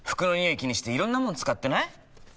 気にしていろんなもの使ってない？